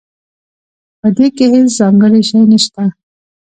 پدې کې هیڅ ځانګړی شی نشته